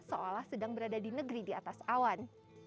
seolah sedang berada di negeri di atas awan